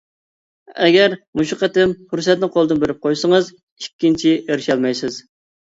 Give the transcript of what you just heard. ئەگەر مۇشۇ قېتىم پۇرسەتنى قولدىن بېرىپ قويسىڭىز، ئىككىنچى ئېرىشەلمەيسىز.